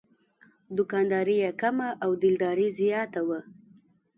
دوکانداري یې کمه او دلداري زیاته وه.